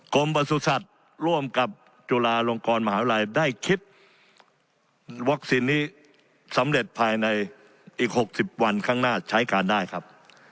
ประสุทธิ์ร่วมกับจุฬาลงกรมหาวิทยาลัยได้คิดวัคซีนนี้สำเร็จภายในอีก๖๐วันข้างหน้าใช้การได้ครับ